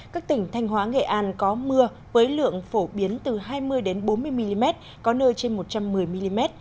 các tỉnh thanh hóa nghệ an có mưa với lượng phổ biến từ hai mươi bốn mươi mm có nơi trên một trăm một mươi mm